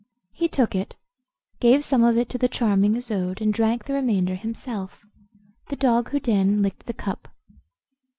He took it, gave some of it to the charming Isoude, and drank the remainder himself. The dog Houdain licked the cup.